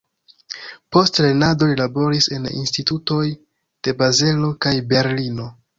Post lernado li laboris en institutoj de Bazelo kaj Berlino.